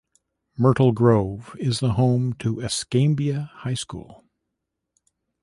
Myrtle Grove is the home to Escambia High School.